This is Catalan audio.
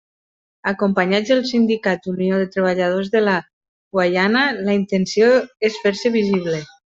Acompanyats del sindicat Unió de Treballadors de la Guaiana, la intenció és fer-se visible.